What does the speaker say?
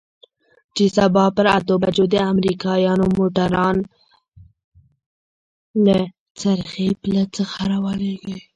چې سبا پر اتو بجو د امريکايانو موټران له څرخي پله څخه روانېږي.